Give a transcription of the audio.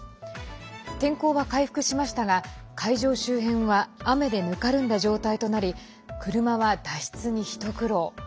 天候は回復しましたが会場周辺は雨でぬかるんだ状態となり車は脱出に一苦労。